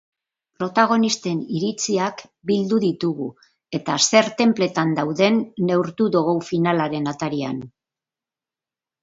Protagonisten iritziak bildu ditugu eta zer tenpletan dauden neurtu dugu finalaren atarian.